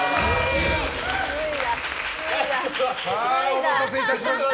お待たせいたしました。